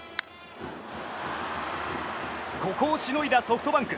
ここをしのいだソフトバンク。